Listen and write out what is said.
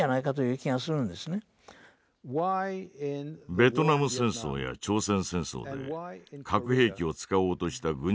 ベトナム戦争や朝鮮戦争で核兵器を使おうとした軍人たちがいる。